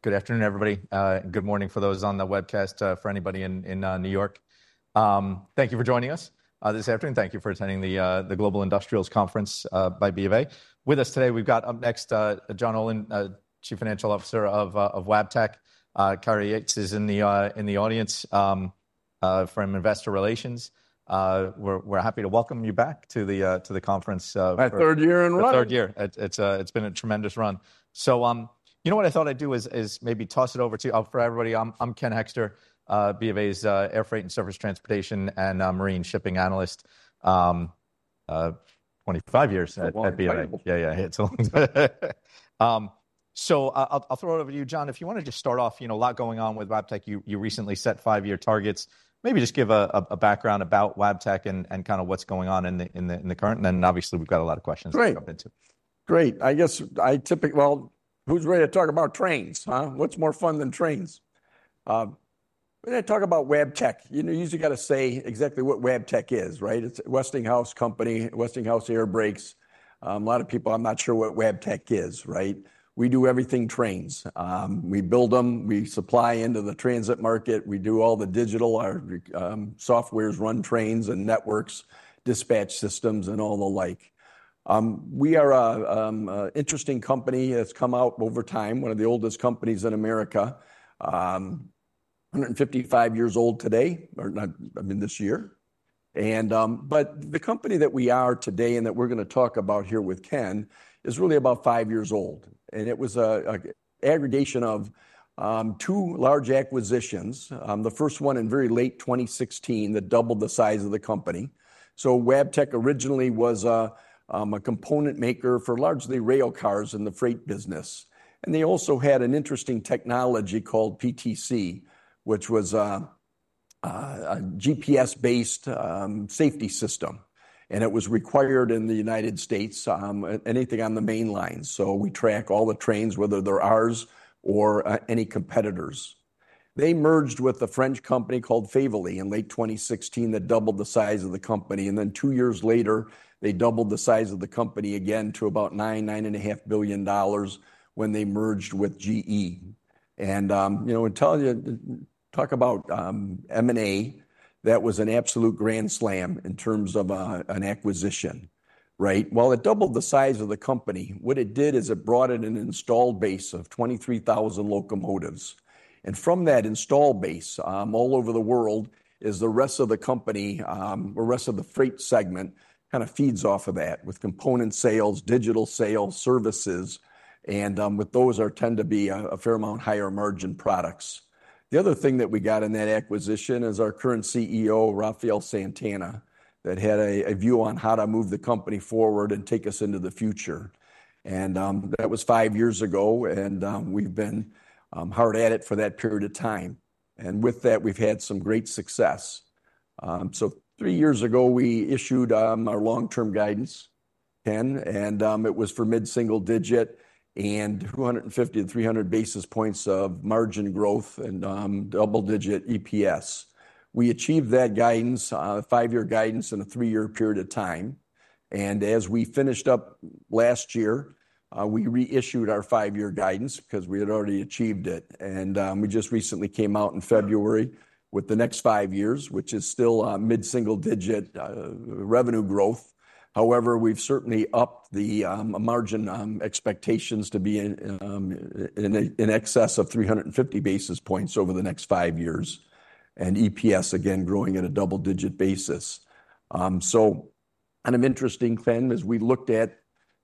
Good afternoon, everybody. Good morning for those on the webcast, for anybody in New York. Thank you for joining us this afternoon. Thank you for attending the Global Industrials Conference by BofA. With us today, we've got up next John Olin, Chief Financial Officer of Wabtec. Kyra Yates is in the audience from Investor Relations. We're happy to welcome you back to the conference. My third year in a row. My third year. It's been a tremendous run. You know what I thought I'd do is maybe toss it over to you for everybody. I'm Ken Hoexter, BofA's Air Freight and Surface Transportation and Marine Shipping Analyst. Twenty-five years at BofA. Yeah, yeah, It's a long time. I'll throw it over to you, John. If you want to just start off, you know, a lot going on with Wabtec. You recently set five-year targets. Maybe just give a background about Wabtec and kind of what's going on in the current. Obviously we've got a lot of questions to jump into. Great. I guess I typically, well, who's ready to talk about trains, huh? What's more fun than trains? We're going to talk about Wabtec. You know, you usually got to say exactly what Wabtec is, right? It's Westinghouse Company, Westinghouse Air Brakes. A lot of people, I'm not sure what Wabtec is, right? We do everything trains. We build them, we supply into the transit market. We do all the digital. Our softwares run trains and networks, dispatch systems, and all the like. We are an interesting company that's come out over time, one of the oldest companies in America, 155 years old today, or not, I mean, this year. The company that we are today and that we're going to talk about here with Ken is really about five years old. It was an aggregation of two large acquisitions. The first one in very late 2016 that doubled the size of the company. Wabtec originally was a component maker for largely rail cars in the freight business. They also had an interesting technology called PTC, which was a GPS-based safety system. It was required in the United States, anything on the main lines. We track all the trains, whether they're ours or any competitors. They merged with a French company called Faiveley in late 2016 that doubled the size of the company. Two years later, they doubled the size of the company again to about $9 billion-$9.5 billion when they merged with GE. You know, we tell you, talk about M&A, that was an absolute grand slam in terms of an acquisition, right? It doubled the size of the company. What it did is it brought in an installed base of 23,000 locomotives. From that installed base, all over the world is the rest of the company, the rest of the freight segment kind of feeds off of that with component sales, digital sales, services. With those, there tend to be a fair amount higher margin products. The other thing that we got in that acquisition is our current CEO, Rafael Santana, that had a view on how to move the company forward and take us into the future. That was five years ago. We've been hard at it for that period of time. With that, we've had some great success. Three years ago, we issued our long-term guidance, Ken, and it was for mid-single digit and 250-300 basis points of margin growth and double-digit EPS. We achieved that guidance, a five-year guidance in a three-year period of time. As we finished up last year, we reissued our five-year guidance because we had already achieved it. We just recently came out in February with the next five years, which is still mid-single digit revenue growth. However, we've certainly upped the margin expectations to be in excess of 350 basis points over the next five years. EPS again, growing at a double-digit basis. Kind of interesting, Ken, as we looked at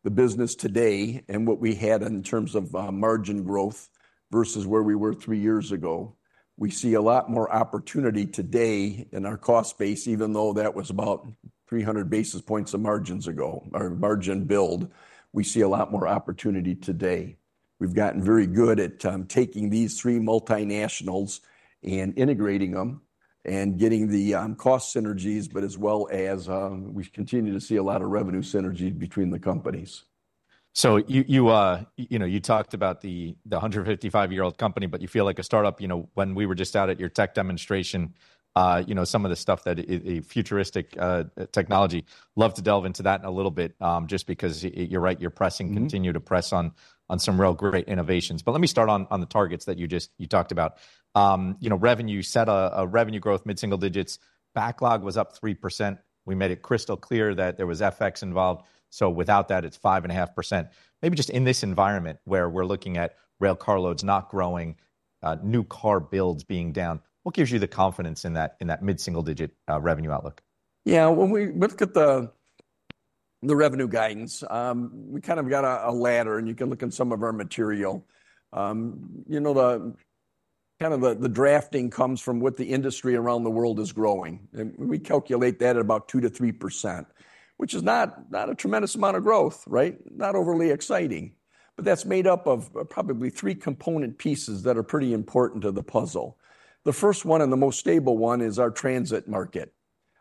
the business today and what we had in terms of margin growth versus where we were three years ago, we see a lot more opportunity today in our cost base, even though that was about 300 basis points of margins ago, our margin build. We see a lot more opportunity today. We've gotten very good at taking these three multinationals and integrating them and getting the cost synergies, but as well as we continue to see a lot of revenue synergy between the companies. You talked about the 155-year-old company, but you feel like a startup, you know, when we were just out at your tech demonstration, you know, some of the stuff that is futuristic technology, love to delve into that a little bit just because you're right, you're pressing, continue to press on some real great innovations. Let me start on the targets that you just talked about. You know, revenue set a revenue growth mid-single digits. Backlog was up 3%. We made it crystal clear that there was FX involved. So without that, it's 5.5%. Maybe just in this environment where we're looking at rail car loads not growing, new car builds being down, what gives you the confidence in that mid-single digit revenue outlook? Yeah, when we look at the revenue guidance, we kind of got a ladder and you can look in some of our material. You know, kind of the drafting comes from what the industry around the world is growing. And we calculate that at about 2-3%, which is not a tremendous amount of growth, right? Not overly exciting. That's made up of probably three component pieces that are pretty important to the puzzle. The first one and the most stable one is our transit market.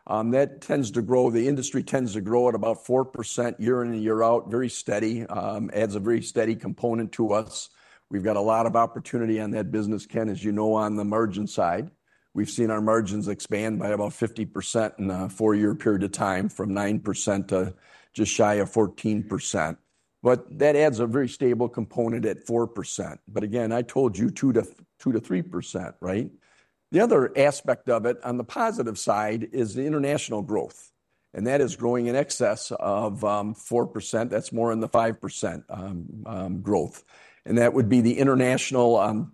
That tends to grow, the industry tends to grow at about 4% year in and year out, very steady, adds a very steady component to us. We've got a lot of opportunity on that business, Ken, as you know, on the margin side. We've seen our margins expand by about 50% in a four-year period of time from 9% to just shy of 14%. That adds a very stable component at 4%. Again, I told you 2-3%, right? The other aspect of it on the positive side is the international growth. That is growing in excess of 4%. That's more in the 5% growth. That would be the international,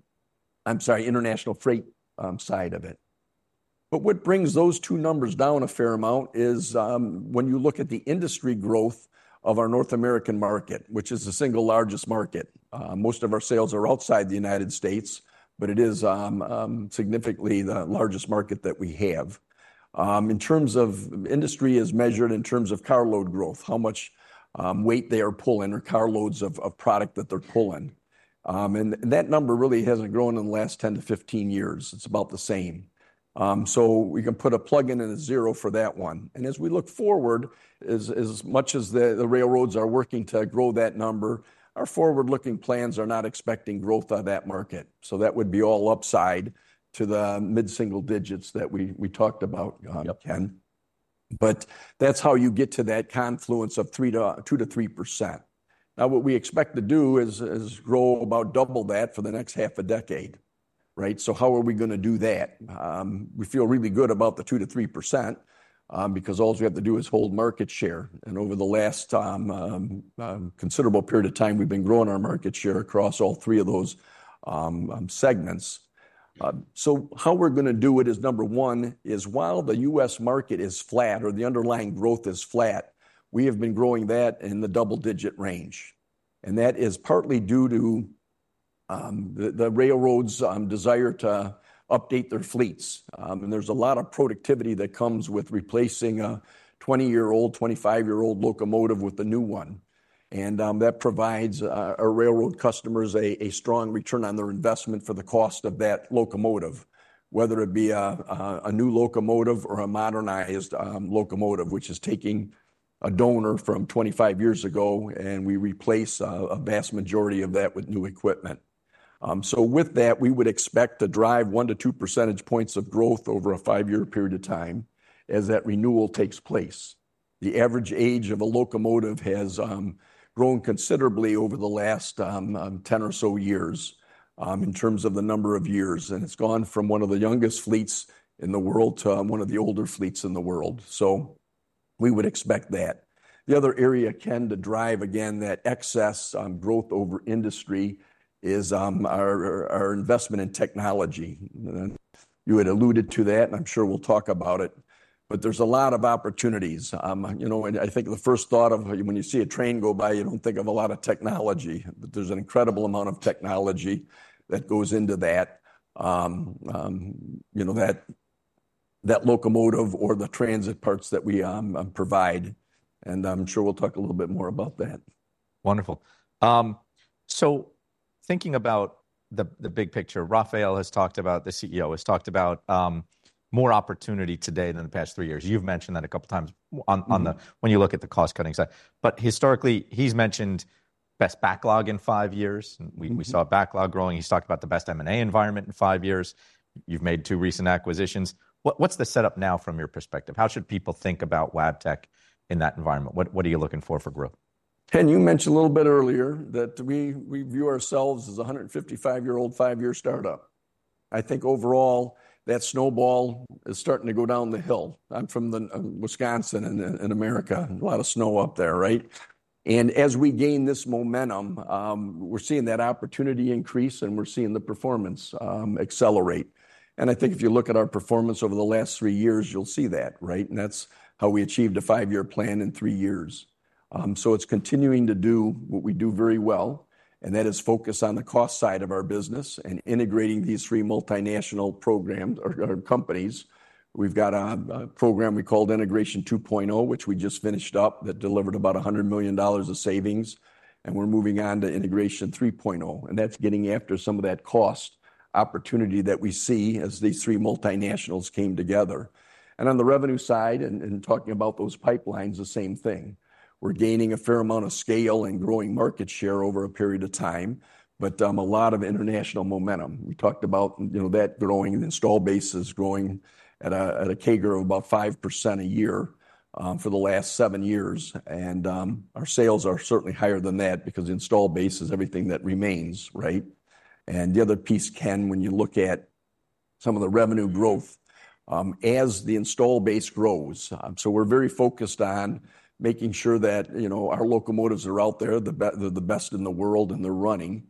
I'm sorry, international freight side of it. What brings those two numbers down a fair amount is when you look at the industry growth of our North American market, which is the single largest market. Most of our sales are outside the United States, but it is significantly the largest market that we have. In terms of industry as measured in terms of car load growth, how much weight they are pulling or car loads of product that they're pulling. That number really hasn't grown in the last 10 to 15 years. It's about the same. We can put a plug in and a zero for that one. As we look forward, as much as the railroads are working to grow that number, our forward-looking plans are not expecting growth on that market. That would be all upside to the mid-single digits that we talked about, Ken. That's how you get to that confluence of 2-3%. What we expect to do is grow about double that for the next half a decade, right? How are we going to do that? We feel really good about the 2-3% because all we have to do is hold market share. Over the last considerable period of time, we have been growing our market share across all three of those segments. How we are going to do it is, number one is while the U.S. market is flat or the underlying growth is flat, we have been growing that in the double-digit range. That is partly due to the railroads' desire to update their fleets. There is a lot of productivity that comes with replacing a 20-year-old, 25-year-old locomotive with a new one. That provides railroad customers a strong return on their investment for the cost of that locomotive, whether it be a new locomotive or a modernized locomotive, which is taking a donor from 25 years ago and we replace a vast majority of that with new equipment. With that, we would expect to drive one to two percentage points of growth over a five-year period of time as that renewal takes place. The average age of a locomotive has grown considerably over the last 10 or so years in terms of the number of years. It has gone from one of the youngest fleets in the world to one of the older fleets in the world. We would expect that. The other area, Ken, to drive again that excess growth over industry is our investment in technology. You had alluded to that, and I am sure we will talk about it. There are a lot of opportunities. You know, I think the first thought of when you see a train go by, you don't think of a lot of technology, but there's an incredible amount of technology that goes into that, you know, that locomotive or the transit parts that we provide. I'm sure we'll talk a little bit more about that. Wonderful. Thinking about the big picture, Rafael has talked about, the CEO has talked about more opportunity today than the past three years. You've mentioned that a couple of times when you look at the cost-cutting side. Historically, he's mentioned best backlog in five years. We saw a backlog growing. He's talked about the best M&A environment in five years. You've made two recent acquisitions. What's the setup now from your perspective? How should people think about Wabtec in that environment? What are you looking for for growth? Ken, you mentioned a little bit earlier that we view ourselves as a 155-year-old, five-year startup. I think overall that snowball is starting to go down the hill. I'm from Wisconsin in America. A lot of snow up there, right? As we gain this momentum, we're seeing that opportunity increase and we're seeing the performance accelerate. I think if you look at our performance over the last three years, you'll see that, right? That is how we achieved a five-year plan in three years. It is continuing to do what we do very well. That is focus on the cost side of our business and integrating these three multinational programs or companies. We've got a program we called Integration 2.0, which we just finished up that delivered about $100 million of savings. We're moving on to Integration 3.0. That is getting after some of that cost opportunity that we see as these three multinationals came together. On the revenue side and talking about those pipelines, the same thing. We are gaining a fair amount of scale and growing market share over a period of time, but a lot of international momentum. We talked about, you know, that growing installed base is growing at a CAGR of about 5% a year for the last seven years. Our sales are certainly higher than that because installed base is everything that remains, right? The other piece, Ken, when you look at some of the revenue growth as the installed base grows. We are very focused on making sure that, you know, our locomotives are out there, the best in the world, and they are running.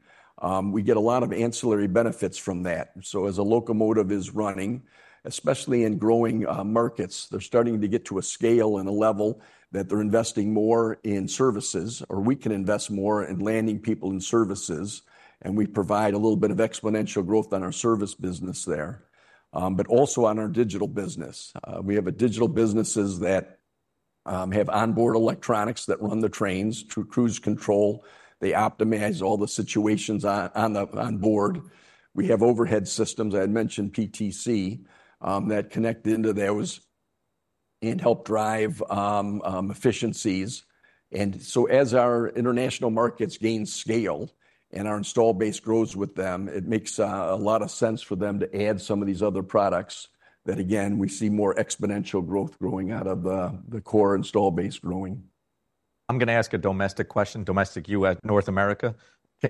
We get a lot of ancillary benefits from that. As a locomotive is running, especially in growing markets, they're starting to get to a scale and a level that they're investing more in services, or we can invest more in landing people in services. We provide a little bit of exponential growth on our service business there, but also on our digital business. We have digital businesses that have onboard electronics that run the trains through cruise control. They optimize all the situations on board. We have overhead systems. I had mentioned PTC that connected into those and helped drive efficiencies. As our international markets gain scale and our installed base grows with them, it makes a lot of sense for them to add some of these other products that, again, we see more exponential growth growing out of the core installed base growing. I'm going to ask a domestic question, domestic U.S., North America.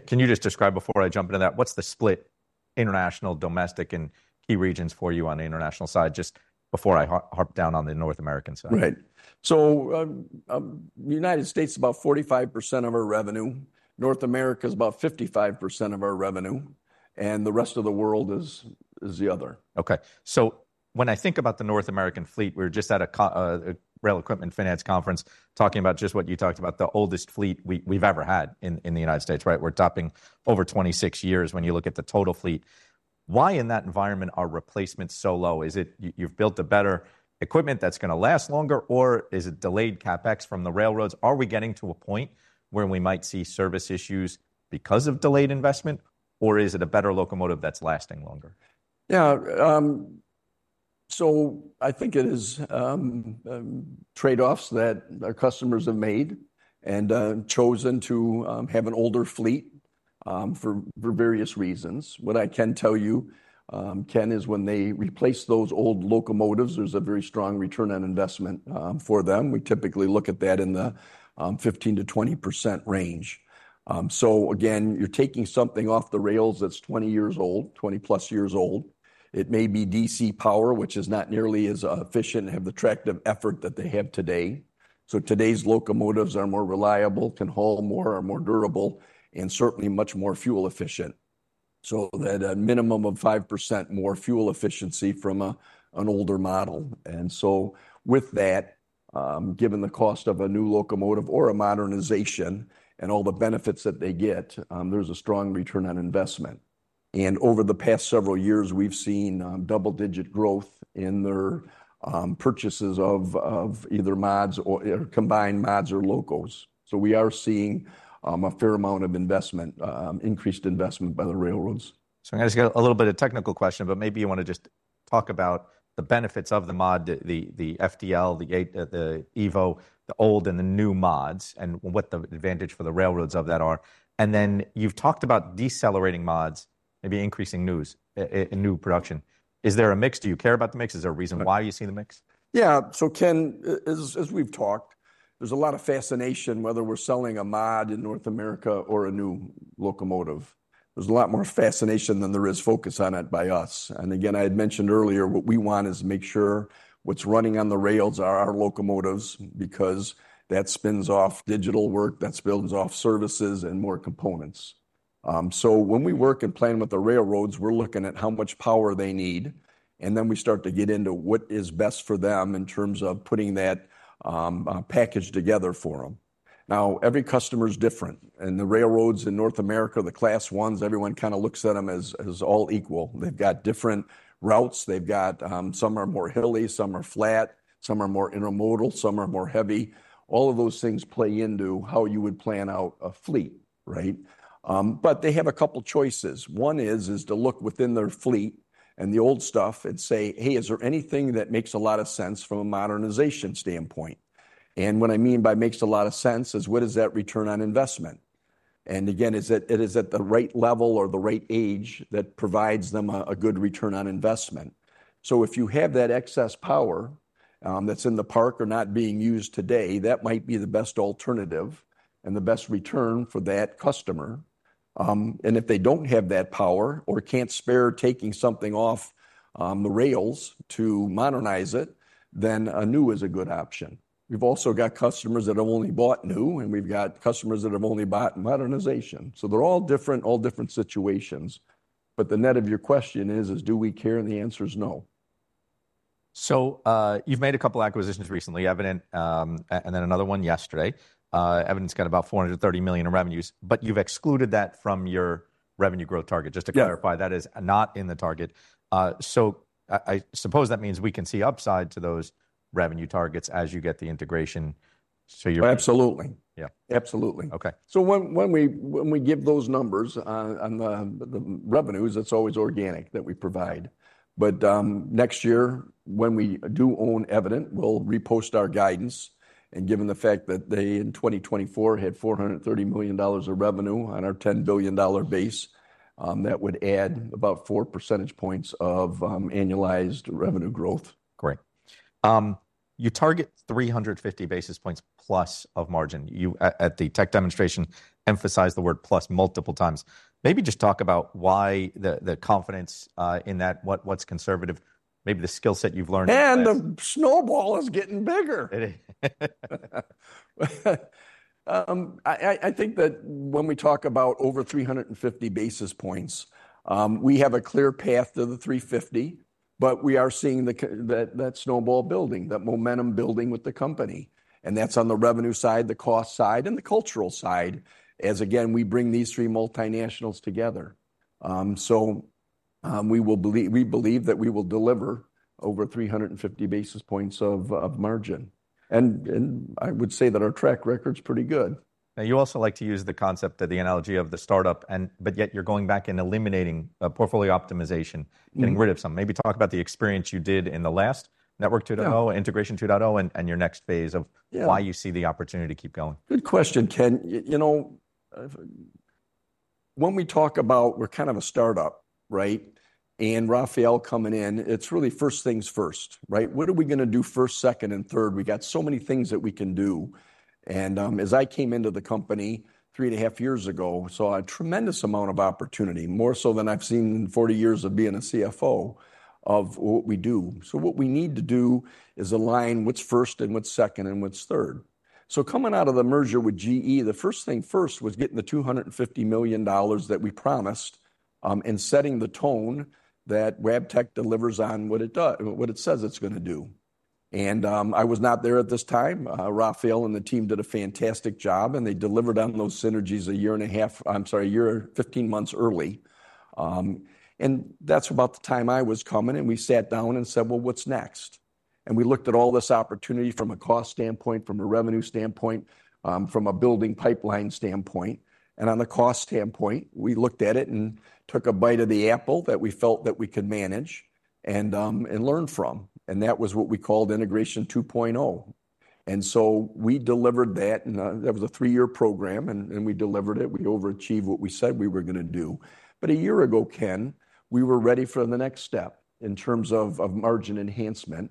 Can you just describe before I jump into that, what's the split international, domestic, and key regions for you on the international side just before I harp down on the North American side? Right. The United States is about 45% of our revenue. North America is about 55% of our revenue. The rest of the world is the other. Okay. When I think about the North American fleet, we were just at a Rail Equipment Finance Conference talking about just what you talked about, the oldest fleet we've ever had in the United States, right? We're topping over 26 years when you look at the total fleet. Why in that environment are replacements so low? Is it you've built a better equipment that's going to last longer, or is it delayed CapEx from the railroads? Are we getting to a point where we might see service issues because of delayed investment, or is it a better locomotive that's lasting longer? Yeah. I think it is trade-offs that our customers have made and chosen to have an older fleet for various reasons. What I can tell you, Ken, is when they replace those old locomotives, there's a very strong return on investment for them. We typically look at that in the 15%-20% range. You're taking something off the rails that's 20 years old, 20 plus years old. It may be DC power, which is not nearly as efficient and have the tractive effort that they have today. Today's locomotives are more reliable, can haul more, are more durable, and certainly much more fuel efficient. That is a minimum of 5% more fuel efficiency from an older model. With that, given the cost of a new locomotive or a modernization and all the benefits that they get, there's a strong return on investment. Over the past several years, we've seen double-digit growth in their purchases of either mods or combined mods or locos. We are seeing a fair amount of investment, increased investment by the railroads. I'm going to ask you a little bit of a technical question, but maybe you want to just talk about the benefits of the mod, the FDL, the EVO, the old and the new mods, and what the advantage for the railroads of that are. Then you've talked about decelerating mods, maybe increasing new production. Is there a mix? Do you care about the mix? Is there a reason why you see the mix? Yeah. Ken, as we've talked, there's a lot of fascination whether we're selling a mod in North America or a new locomotive. There's a lot more fascination than there is focus on it by us. I had mentioned earlier what we want is to make sure what's running on the rails are our locomotives because that spins off digital work, that spins off services and more components. When we work and plan with the railroads, we're looking at how much power they need. Then we start to get into what is best for them in terms of putting that package together for them. Every customer is different. The railroads in North America, the class ones, everyone kind of looks at them as all equal. They've got different routes. They've got some are more hilly, some are flat, some are more intermodal, some are more heavy. All of those things play into how you would plan out a fleet, right? They have a couple of choices. One is to look within their fleet and the old stuff and say, "Hey, is there anything that makes a lot of sense from a modernization standpoint?" What I mean by makes a lot of sense is what is that return on investment? Again, is it at the right level or the right age that provides them a good return on investment? If you have that excess power that's in the park or not being used today, that might be the best alternative and the best return for that customer. If they do not have that power or cannot spare taking something off the rails to modernize it, then a new is a good option. We have also got customers that have only bought new, and we have got customers that have only bought modernization. They are all different, all different situations. The net of your question is, do we care? The answer is no. You've made a couple of acquisitions recently, Evident, and then another one yesterday. Evident's got about $430 million in revenues, but you've excluded that from your revenue growth target. Just to clarify, that is not in the target. I suppose that means we can see upside to those revenue targets as you get the integration. Absolutely. Absolutely. Okay. When we give those numbers on the revenues, it's always organic that we provide. Next year, when we do own Evident, we'll repost our guidance. Given the fact that they in 2024 had $430 million of revenue on our $10 billion base, that would add about four percentage points of annualized revenue growth. Great. You target 350 basis points plus of margin. You, at the tech demonstration, emphasized the word plus multiple times. Maybe just talk about why the confidence in that, what's conservative, maybe the skill set you've learned. The snowball is getting bigger. I think that when we talk about over 350 basis points, we have a clear path to the 350, but we are seeing that snowball building, that momentum building with the company. That is on the revenue side, the cost side, and the cultural side as, again, we bring these three multinationals together. We believe that we will deliver over 350 basis points of margin. I would say that our track record's pretty good. Now, you also like to use the concept of the analogy of the startup, but yet you're going back and eliminating portfolio optimization, getting rid of some. Maybe talk about the experience you did in the last network 2.0, integration 2.0, and your next phase of why you see the opportunity to keep going. Good question, Ken. You know, when we talk about we're kind of a startup, right? And Rafael coming in, it's really first things first, right? What are we going to do first, second, and third? We got so many things that we can do. As I came into the company three and a half years ago, I saw a tremendous amount of opportunity, more so than I've seen in 40 years of being a CFO of what we do. What we need to do is align what's first and what's second and what's third. Coming out of the merger with GE, the first thing first was getting the $250 million that we promised and setting the tone that Wabtec delivers on what it says it's going to do. I was not there at this time. Rafael and the team did a fantastic job, and they delivered on those synergies a year and a half, I'm sorry, a year, 15 months early. That's about the time I was coming. We sat down and said, "Well, what's next?" We looked at all this opportunity from a cost standpoint, from a revenue standpoint, from a building pipeline standpoint. On the cost standpoint, we looked at it and took a bite of the apple that we felt that we could manage and learn from. That was what we called Integration 2.0. We delivered that. That was a three-year program, and we delivered it. We overachieved what we said we were going to do. A year ago, Ken, we were ready for the next step in terms of margin enhancement.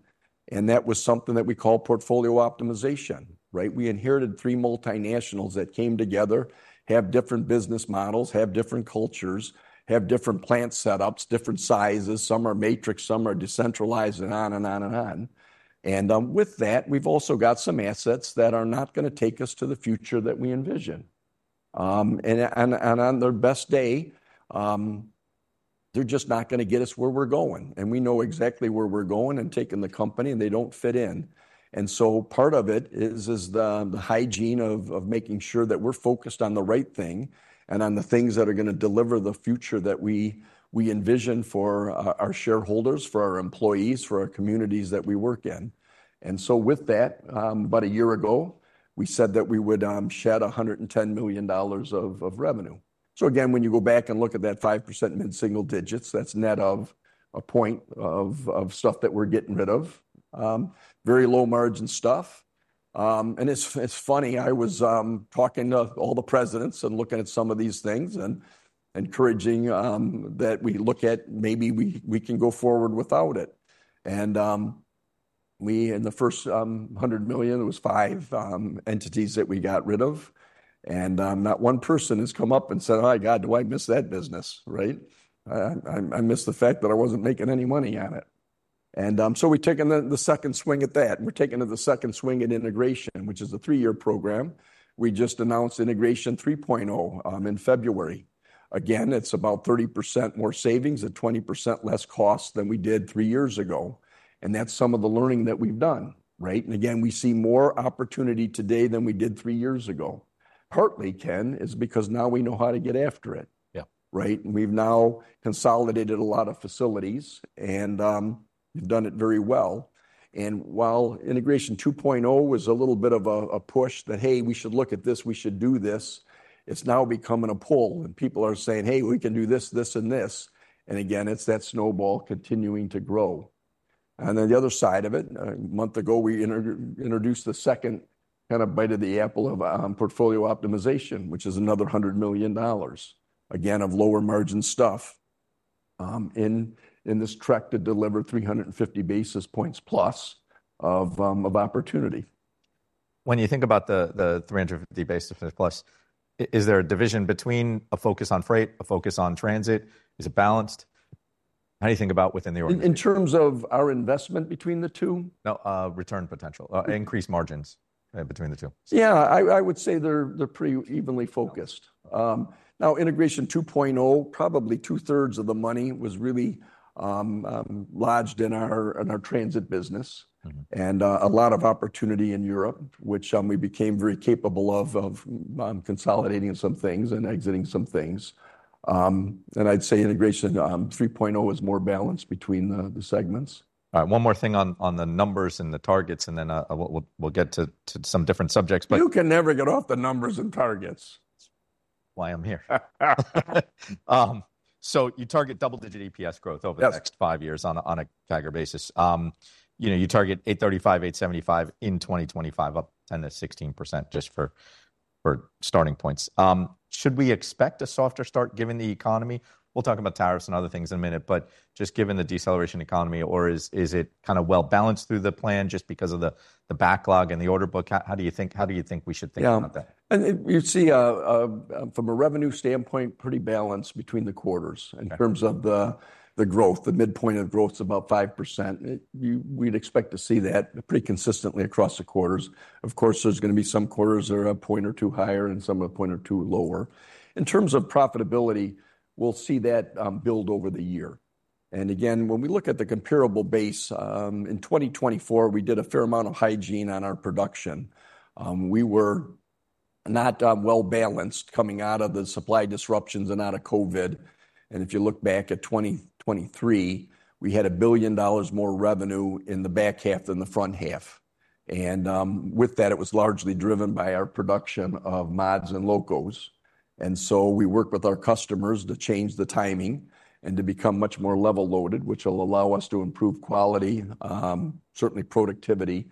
That was something that we call portfolio optimization, right? We inherited three multinationals that came together, have different business models, have different cultures, have different plant setups, different sizes. Some are matrix, some are decentralized, and on and on and on. With that, we've also got some assets that are not going to take us to the future that we envision. On their best day, they're just not going to get us where we're going. We know exactly where we're going and taking the company, and they don't fit in. Part of it is the hygiene of making sure that we're focused on the right thing and on the things that are going to deliver the future that we envision for our shareholders, for our employees, for our communities that we work in. With that, about a year ago, we said that we would shed $110 million of revenue. When you go back and look at that 5% mid-single digits, that's net of a point of stuff that we're getting rid of, very low margin stuff. It's funny, I was talking to all the presidents and looking at some of these things and encouraging that we look at maybe we can go forward without it. In the first $100 million, it was five entities that we got rid of. Not one person has come up and said, "Oh my God, do I miss that business?" Right? I miss the fact that I wasn't making any money on it. We're taking the second swing at that. We're taking the second swing at integration, which is a three-year program. We just announced Integration 3.0 in February. It's about 30% more savings and 20% less cost than we did three years ago. That is some of the learning that we have done, right? Again, we see more opportunity today than we did three years ago. Partly, Ken, it is because now we know how to get after it, right? We have now consolidated a lot of facilities and we have done it very well. While Integration 2.0 was a little bit of a push that, "Hey, we should look at this, we should do this," it is now becoming a pull. People are saying, "Hey, we can do this, this, and this." Again, it is that snowball continuing to grow. The other side of it, a month ago, we introduced the second kind of bite of the apple of portfolio optimization, which is another $100 million, again, of lower margin stuff in this track to deliver 350 basis points plus of opportunity. When you think about the 350 basis points plus, is there a division between a focus on freight, a focus on transit? Is it balanced? How do you think about within the organization? In terms of our investment between the two? No, return potential, increased margins between the two. Yeah, I would say they're pretty evenly focused. Now, Integration 2.0, probably two-thirds of the money was really lodged in our transit business. A lot of opportunity in Europe, which we became very capable of consolidating some things and exiting some things. I'd say Integration 3.0 is more balanced between the segments. All right. One more thing on the numbers and the targets, and then we'll get to some different subjects. You can never get off the numbers and targets. Why I'm here. You target double-digit EPS growth over the next five years on a CAGR basis. You target $8.35-$8.75 in 2025, up 10%-16% just for starting points. Should we expect a softer start given the economy? We'll talk about tariffs and other things in a minute, but just given the deceleration economy, or is it kind of well balanced through the plan just because of the backlog and the order book? How do you think we should think about that? Yeah. You see, from a revenue standpoint, pretty balanced between the quarters in terms of the growth. The midpoint of growth is about 5%. We'd expect to see that pretty consistently across the quarters. Of course, there are going to be some quarters that are a point or two higher and some a point or two lower. In terms of profitability, we'll see that build over the year. Again, when we look at the comparable base, in 2024, we did a fair amount of hygiene on our production. We were not well balanced coming out of the supply disruptions and out of COVID. If you look back at 2023, we had $1 billion more revenue in the back half than the front half. With that, it was largely driven by our production of mods and locos. We worked with our customers to change the timing and to become much more level loaded, which will allow us to improve quality, certainly productivity.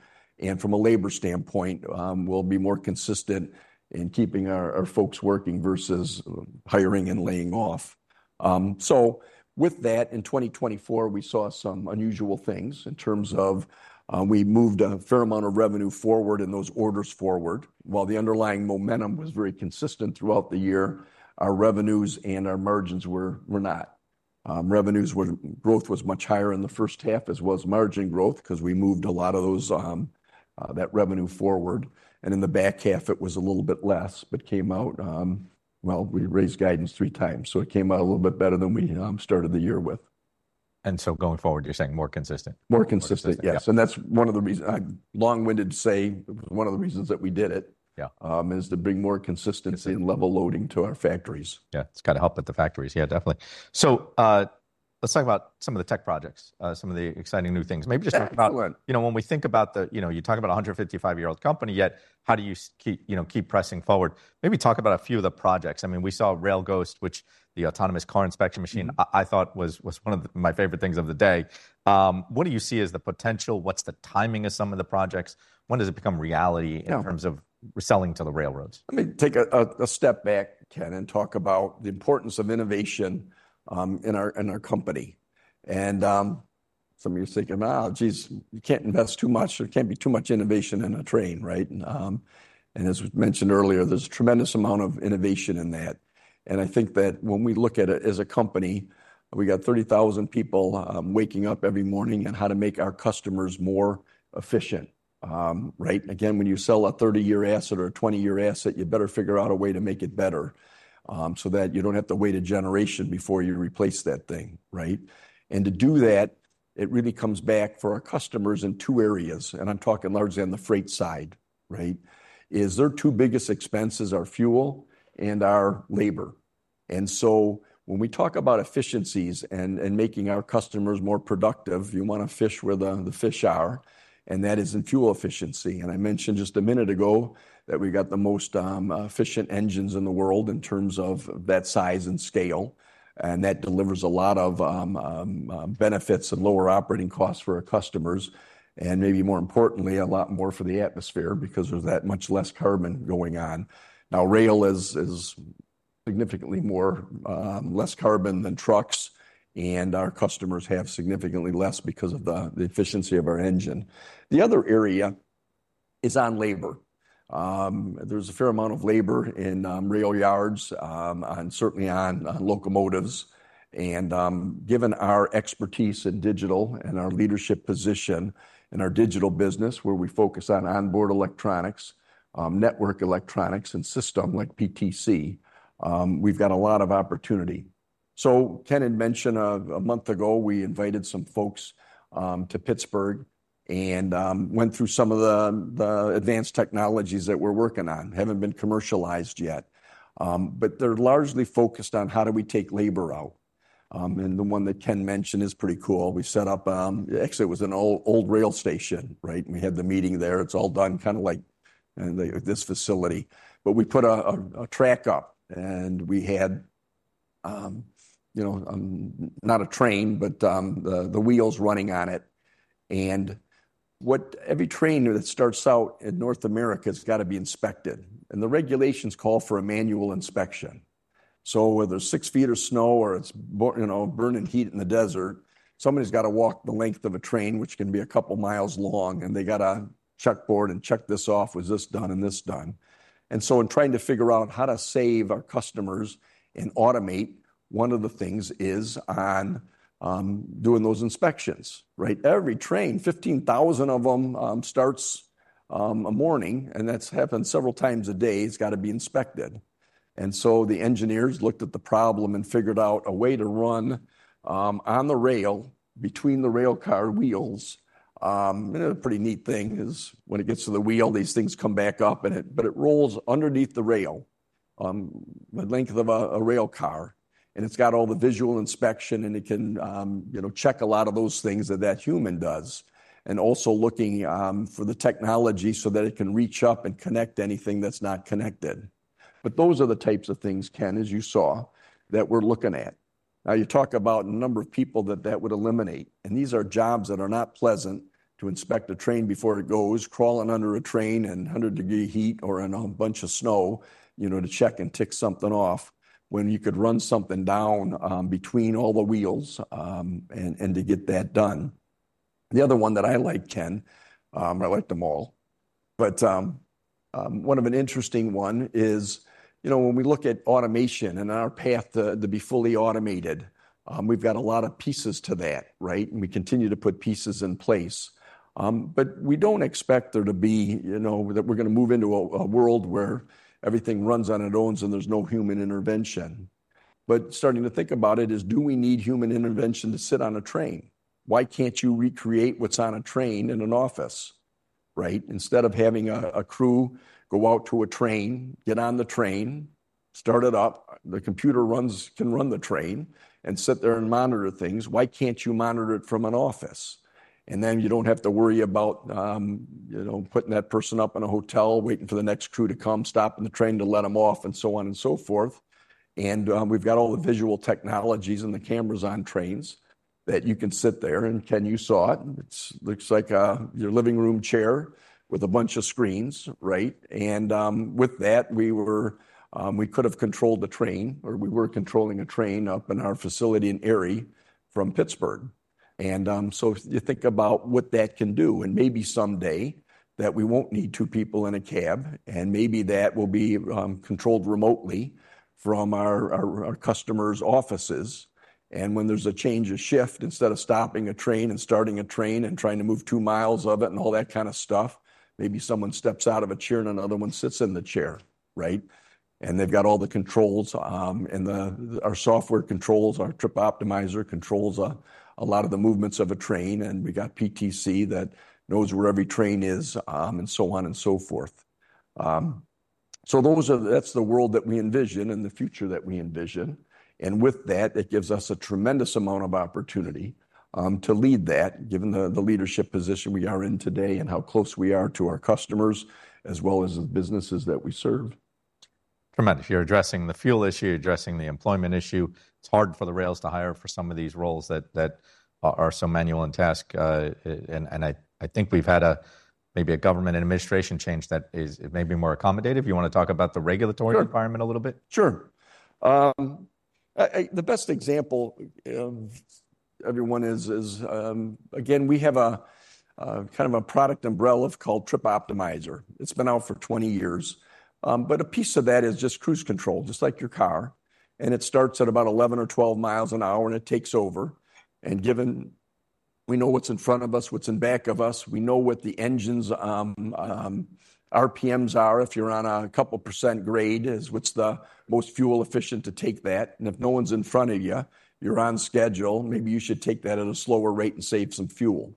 From a labor standpoint, we'll be more consistent in keeping our folks working versus hiring and laying off. With that, in 2024, we saw some unusual things in terms of we moved a fair amount of revenue forward and those orders forward. While the underlying momentum was very consistent throughout the year, our revenues and our margins were not. Revenues were growth was much higher in the first half, as was margin growth, because we moved a lot of that revenue forward. In the back half, it was a little bit less, but came out, well, we raised guidance three times. It came out a little bit better than we started the year with. Going forward, you're saying more consistent? More consistent, yes. That is one of the reasons I long-winded to say one of the reasons that we did it is to bring more consistency and level loading to our factories. Yeah, it's got to help with the factories. Yeah, definitely. Let's talk about some of the tech projects, some of the exciting new things. Maybe just talk about, you know, when we think about the, you know, you talk about a 155-year-old company, yet how do you keep pressing forward? Maybe talk about a few of the projects. I mean, we saw RailGhost, which the autonomous car inspection machine, I thought was one of my favorite things of the day. What do you see as the potential? What's the timing of some of the projects? When does it become reality in terms of reselling to the railroads? Let me take a step back, Ken, and talk about the importance of innovation in our company. Some of you are thinking, geez, you can't invest too much. There can't be too much innovation in a train, right? As mentioned earlier, there is a tremendous amount of innovation in that. I think that when we look at it as a company, we have 30,000 people waking up every morning on how to make our customers more efficient, right? Again, when you sell a 30-year asset or a 20-year asset, you better figure out a way to make it better so that you do not have to wait a generation before you replace that thing, right? To do that, it really comes back for our customers in two areas. I am talking largely on the freight side, right? Their two biggest expenses are fuel and our labor. When we talk about efficiencies and making our customers more productive, you want to fish where the fish are. That is in fuel efficiency. I mentioned just a minute ago that we got the most efficient engines in the world in terms of that size and scale. That delivers a lot of benefits and lower operating costs for our customers. Maybe more importantly, a lot more for the atmosphere because there is that much less carbon going on. Rail is significantly less carbon than trucks. Our customers have significantly less because of the efficiency of our engine. The other area is on labor. There is a fair amount of labor in rail yards and certainly on locomotives. Given our expertise in digital and our leadership position in our digital business, where we focus on onboard electronics, network electronics, and systems like PTC, we've got a lot of opportunity. Ken had mentioned a month ago, we invited some folks to Pittsburgh and went through some of the advanced technologies that we're working on, haven't been commercialized yet. They're largely focused on how do we take labor out. The one that Ken mentioned is pretty cool. We set up, actually, it was an old rail station, right? We had the meeting there. It's all done kind of like this facility. We put a track up and we had, you know, not a train, but the wheels running on it. Every train that starts out in North America has got to be inspected. The regulations call for a manual inspection. Whether it's six feet of snow or it's burning heat in the desert, somebody's got to walk the length of a train, which can be a couple of miles long, and they got to checkboard and check this off, was this done and this done. In trying to figure out how to save our customers and automate, one of the things is on doing those inspections, right? Every train, 15,000 of them, starts a morning, and that's happened several times a day. It's got to be inspected. The engineers looked at the problem and figured out a way to run on the rail between the rail car wheels. A pretty neat thing is when it gets to the wheel, these things come back up, but it rolls underneath the rail the length of a rail car. It has all the visual inspection, and it can check a lot of those things that that human does. Also looking for the technology so that it can reach up and connect anything that's not connected. Those are the types of things, Ken, as you saw, that we're looking at. You talk about a number of people that that would eliminate. These are jobs that are not pleasant to inspect a train before it goes, crawling under a train in 100-degree heat or in a bunch of snow, you know, to check and tick something off when you could run something down between all the wheels and get that done. The other one that I like, Ken, I like them all. One of an interesting one is, you know, when we look at automation and our path to be fully automated, we've got a lot of pieces to that, right? We continue to put pieces in place. We do not expect there to be, you know, that we're going to move into a world where everything runs on its own and there's no human intervention. Starting to think about it is, do we need human intervention to sit on a train? Why can't you recreate what's on a train in an office, right? Instead of having a crew go out to a train, get on the train, start it up, the computer can run the train and sit there and monitor things, why can't you monitor it from an office? You do not have to worry about, you know, putting that person up in a hotel, waiting for the next crew to come, stopping the train to let them off, and so on and so forth. We have all the visual technologies and the cameras on trains that you can sit there. Ken, you saw it. It looks like your living room chair with a bunch of screens, right? With that, we could have controlled the train, or we were controlling a train up in our facility in Erie from Pittsburgh. You think about what that can do. Maybe someday we will not need two people in a cab. Maybe that will be controlled remotely from our customers' offices. When there's a change of shift, instead of stopping a train and starting a train and trying to move two miles of it and all that kind of stuff, maybe someone steps out of a chair and another one sits in the chair, right? They've got all the controls. Our software controls, our trip optimizer controls a lot of the movements of a train. We got PTC that knows where every train is and so on and so forth. That is the world that we envision and the future that we envision. With that, it gives us a tremendous amount of opportunity to lead that, given the leadership position we are in today and how close we are to our customers, as well as the businesses that we serve. Tremendous. You're addressing the fuel issue, you're addressing the employment issue. It's hard for the rails to hire for some of these roles that are so manual and task. I think we've had maybe a government administration change that is maybe more accommodative. You want to talk about the regulatory environment a little bit? Sure. The best example of everyone is, again, we have a kind of a product umbrella called Trip Optimizer. It's been out for 20 years. A piece of that is just cruise control, just like your car. It starts at about 11 or 12 miles an hour and it takes over. Given we know what's in front of us, what's in back of us, we know what the engine's RPMs are. If you're on a couple percent grade, it's the most fuel efficient to take that. If no one's in front of you, you're on schedule, maybe you should take that at a slower rate and save some fuel,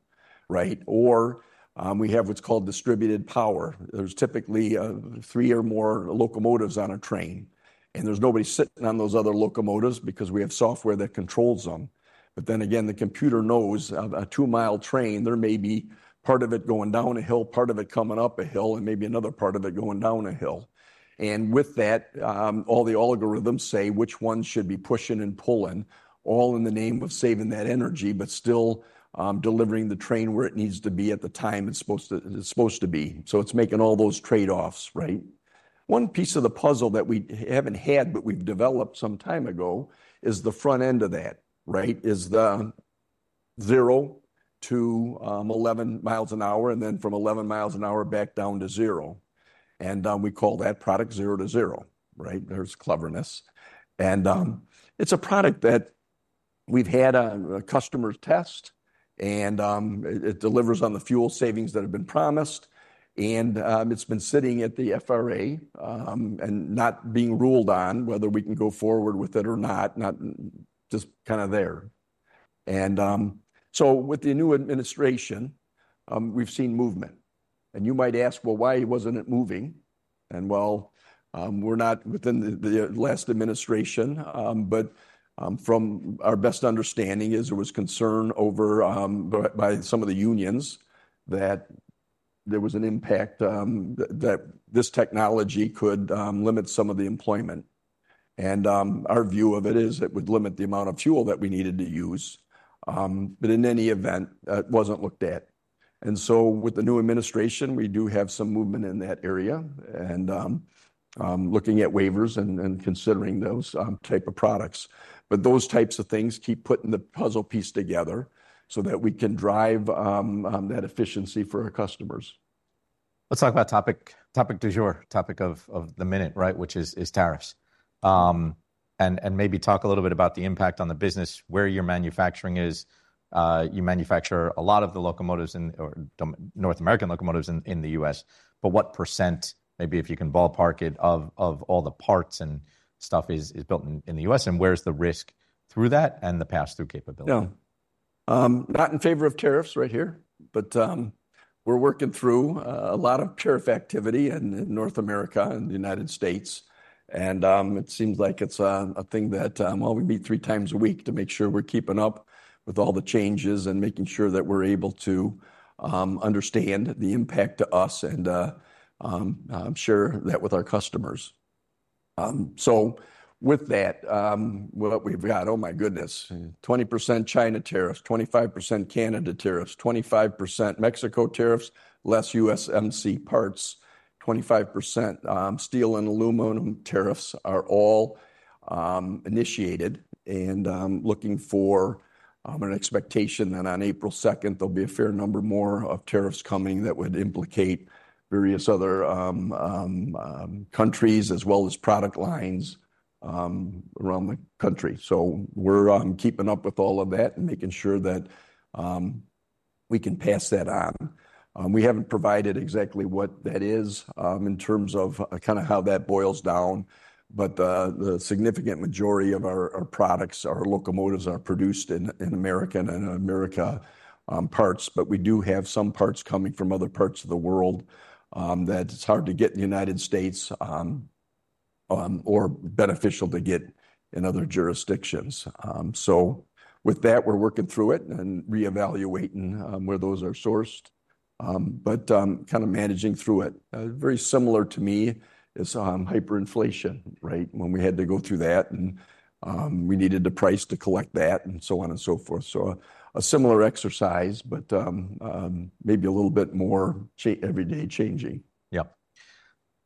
right? We have what's called distributed power. There's typically three or more locomotives on a train. There's nobody sitting on those other locomotives because we have software that controls them. Then again, the computer knows a two-mile train, there may be part of it going down a hill, part of it coming up a hill, and maybe another part of it going down a hill. With that, all the algorithms say which one should be pushing and pulling, all in the name of saving that energy, but still delivering the train where it needs to be at the time it's supposed to be. It's making all those trade-offs, right? One piece of the puzzle that we haven't had, but we've developed some time ago is the front end of that, right? Is the zero to 11 miles an hour and then from 11 miles an hour back down to zero. We call that product Zero-to-Zero, right? There's cleverness. It's a product that we've had a customer test. It delivers on the fuel savings that have been promised. It has been sitting at the FRA and not being ruled on whether we can go forward with it or not, just kind of there. With the new administration, we have seen movement. You might ask, why was it not moving? We are not within the last administration. From our best understanding, there was concern by some of the unions that there was an impact that this technology could limit some of the employment. Our view of it is it would limit the amount of fuel that we needed to use. In any event, it was not looked at. With the new administration, we do have some movement in that area, looking at waivers and considering those types of products. Those types of things keep putting the puzzle piece together so that we can drive that efficiency for our customers. Let's talk about topic du jour, topic of the minute, right, which is tariffs. Maybe talk a little bit about the impact on the business, where your manufacturing is. You manufacture a lot of the locomotives or North American locomotives in the U.S. What percent, maybe if you can ballpark it, of all the parts and stuff is built in the U.S.? Where's the risk through that and the pass-through capability? Yeah. Not in favor of tariffs right here. But we're working through a lot of tariff activity in North America and the United States. It seems like it's a thing that, you know, we meet three times a week to make sure we're keeping up with all the changes and making sure that we're able to understand the impact to us and share that with our customers. With that, what we've got, oh my goodness, 20% China tariffs, 25% Canada tariffs, 25% Mexico tariffs, less USMCA parts, 25% steel and aluminum tariffs are all initiated. I'm looking for an expectation that on April 2, there will be a fair number more of tariffs coming that would implicate various other countries as well as product lines around the country. We're keeping up with all of that and making sure that we can pass that on. We haven't provided exactly what that is in terms of kind of how that boils down. The significant majority of our products, our locomotives, are produced in America and American parts. We do have some parts coming from other parts of the world that it's hard to get in the United States or beneficial to get in other jurisdictions. With that, we're working through it and reevaluating where those are sourced, kind of managing through it. Very similar to me is hyperinflation, right? When we had to go through that and we needed the price to collect that and so on and so forth. A similar exercise, but maybe a little bit more everyday changing.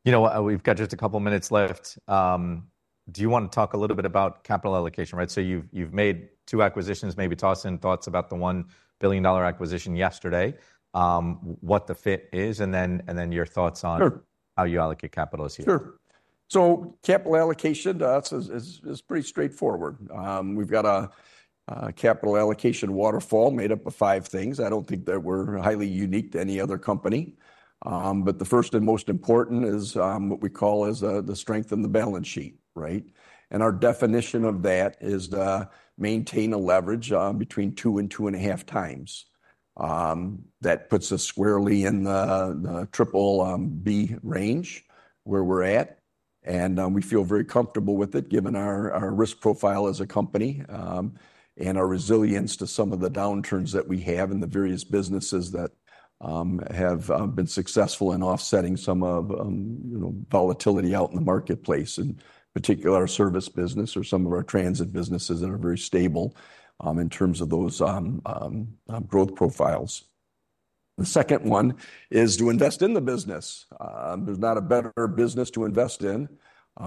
Yep. You know, we've got just a couple of minutes left. Do you want to talk a little bit about capital allocation, right? So you've made two acquisitions, maybe toss in thoughts about the $1 billion acquisition yesterday, what the fit is, and then your thoughts on how you allocate capital this year. Sure. Capital allocation, that's pretty straightforward. We've got a capital allocation waterfall made up of five things. I don't think that we're highly unique to any other company. The first and most important is what we call the strength in the balance sheet, right? Our definition of that is to maintain a leverage between 2 and 2.5 times. That puts us squarely in the triple B range where we're at. We feel very comfortable with it given our risk profile as a company and our resilience to some of the downturns that we have in the various businesses that have been successful in offsetting some of the volatility out in the marketplace, in particular our service business or some of our transit businesses that are very stable in terms of those growth profiles. The second one is to invest in the business. There's not a better business to invest in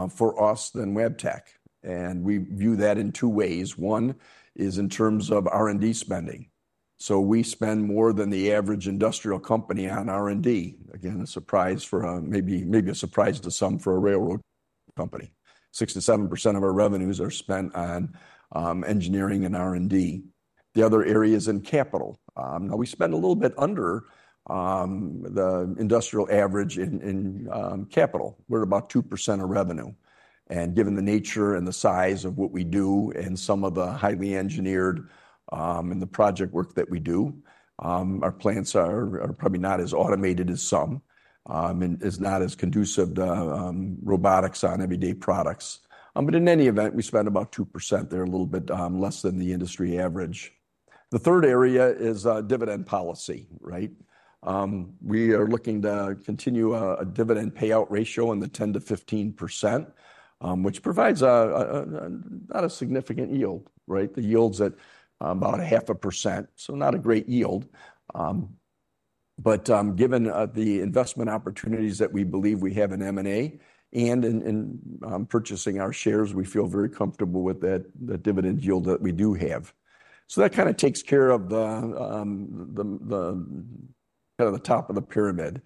for us than Wabtec. We view that in two ways. One is in terms of R&D spending. We spend more than the average industrial company on R&D. Again, maybe a surprise to some for a railroad company. 6%-7% of our revenues are spent on engineering and R&D. The other area is in capital. We spend a little bit under the industrial average in capital. We're at about 2% of revenue. Given the nature and the size of what we do and some of the highly engineered and the project work that we do, our plants are probably not as automated as some. It's not as conducive to robotics on everyday products. In any event, we spend about 2%, a little bit less than the industry average. The third area is dividend policy, right? We are looking to continue a dividend payout ratio in the 10%-15%, which provides not a significant yield, right? The yield's at about a half a percent, so not a great yield. Given the investment opportunities that we believe we have in M&A and in purchasing our shares, we feel very comfortable with the dividend yield that we do have. That kind of takes care of kind of the top of the pyramid.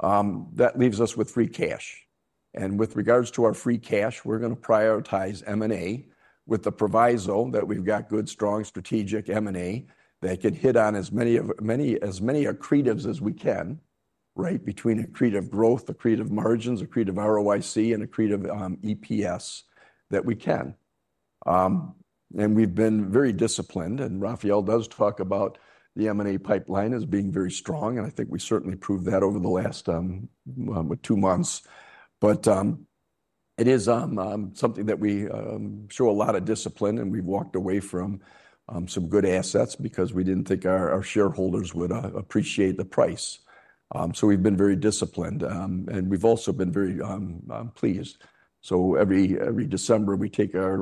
That leaves us with free cash. With regards to our free cash, we're going to prioritize M&A with the proviso that we've got good, strong, strategic M&A that can hit on as many accretives as we can, right? Between accretive growth, accretive margins, accretive ROIC, and accretive EPS that we can. We've been very disciplined. Rafael does talk about the M&A pipeline as being very strong. I think we certainly proved that over the last two months. It is something that we show a lot of discipline. We have walked away from some good assets because we did not think our shareholders would appreciate the price. We have been very disciplined. We have also been very pleased. Every December, we take our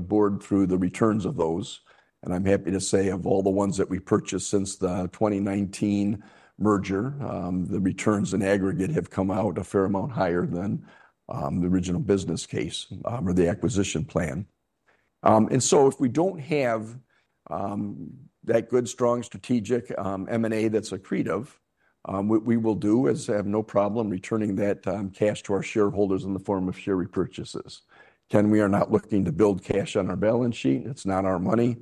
board through the returns of those. I am happy to say of all the ones that we purchased since the 2019 merger, the returns in aggregate have come out a fair amount higher than the original business case or the acquisition plan. If we do not have that good, strong, strategic M&A that is accretive, what we will do is have no problem returning that cash to our shareholders in the form of share repurchases. Again, we are not looking to build cash on our balance sheet. It's not our money.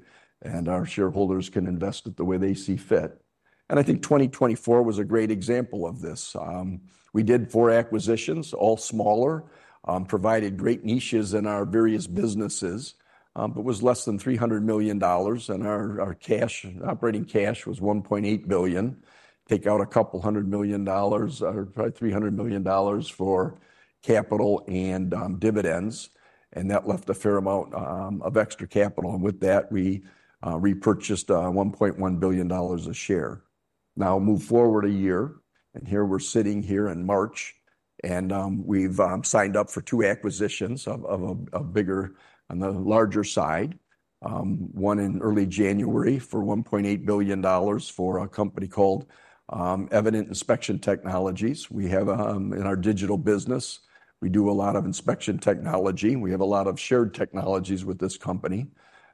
Our shareholders can invest it the way they see fit. I think 2024 was a great example of this. We did four acquisitions, all smaller, provided great niches in our various businesses, but was less than $300 million. Our operating cash was $1.8 billion. Take out a couple hundred million dollars or $300 million for capital and dividends. That left a fair amount of extra capital. With that, we repurchased $1.1 billion a share. Now move forward a year. Here we're sitting here in March. We've signed up for two acquisitions of a bigger on the larger side. One in early January for $1.8 billion for a company called Evident Inspection Technologies. We have in our digital business, we do a lot of inspection technology. We have a lot of shared technologies with this company.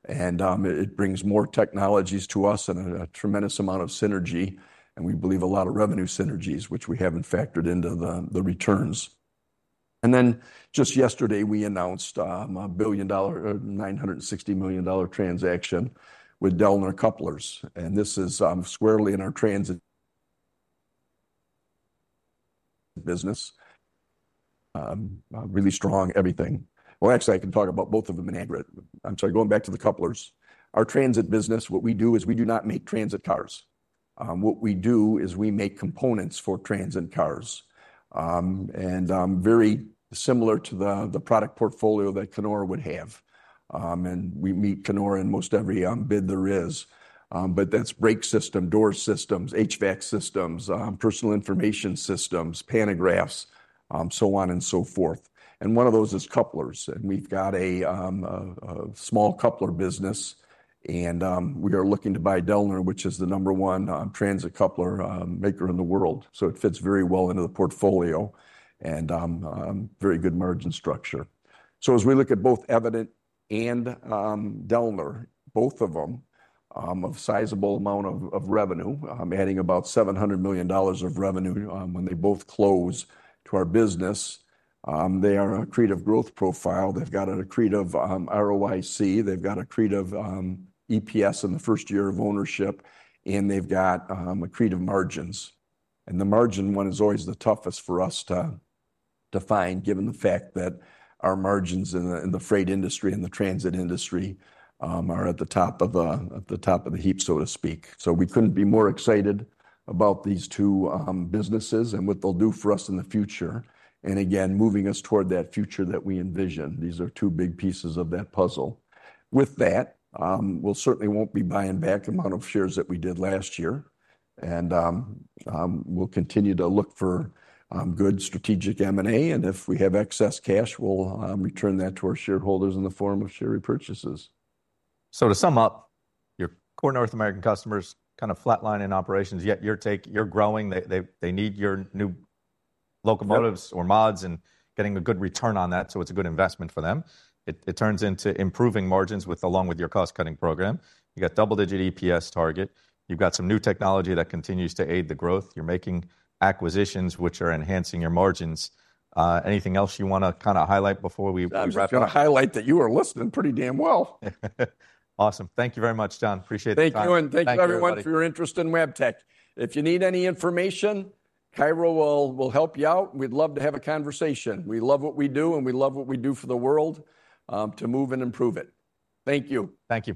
It brings more technologies to us and a tremendous amount of synergy. We believe a lot of revenue synergies, which we have not factored into the returns. Just yesterday, we announced a $1 billion, $960 million transaction with Dellner Couplers. This is squarely in our transit business. Really strong, everything. Actually, I can talk about both of them in aggregate. I am sorry, going back to the Couplers. Our transit business, what we do is we do not make transit cars. What we do is we make components for transit cars. Very similar to the product portfolio that Knorr would have. We meet Knorr in most every bid there is. That is brake systems, door systems, HVAC systems, passenger information systems, pantographs, so on and so forth. One of those is Couplers. We have a small coupler business. We are looking to buy Dellner, which is the number one transit coupler maker in the world. It fits very well into the portfolio and has a very good margin structure. As we look at both Evident and Dellner, both of them have a sizable amount of revenue, adding about $700 million of revenue when they both close to our business. They are an accretive growth profile. They have an accretive ROIC. They have accretive EPS in the first year of ownership. They have accretive margins. The margin one is always the toughest for us to find, given the fact that our margins in the freight industry and the transit industry are at the top of the heap, so to speak. We could not be more excited about these two businesses and what they will do for us in the future. Again, moving us toward that future that we envision. These are two big pieces of that puzzle. With that, we certainly will not be buying back the amount of shares that we did last year. We will continue to look for good strategic M&A. If we have excess cash, we will return that to our shareholders in the form of share repurchases. To sum up, your core North American customers kind of flatline in operations, yet you're growing. They need your new locomotives or mods and getting a good return on that. So it's a good investment for them. It turns into improving margins along with your cost-cutting program. You got double-digit EPS target. You've got some new technology that continues to aid the growth. You're making acquisitions, which are enhancing your margins. Anything else you want to kind of highlight before we wrap up? I just got to highlight that you are listening pretty damn well. Awesome. Thank you very much, John. Appreciate the time. Thank you. Thank you, everyone, for your interest in Wabtec. If you need any information, Kyra will help you out. We'd love to have a conversation. We love what we do, and we love what we do for the world to move and improve it. Thank you. Thank you.